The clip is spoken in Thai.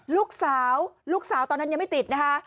ลูกสาวลูกสาวตอนนั้นยังไม่ติดนะคะ